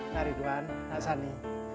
nari dwan naksani